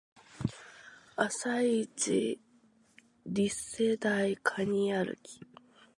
朝イチリセ台カニ歩き